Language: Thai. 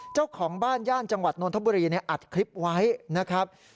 เจ้าของบ้านย่านจังหวัดนทบุรีอัดคลิปไว้นะครับ